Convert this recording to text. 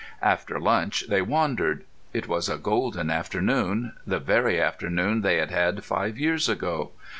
After lunch they wandered. It was a golden afternoon, the very afternoon they had had five years ago.